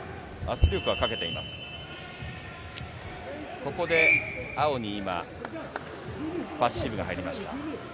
ここで青に今、パッシブが入りました。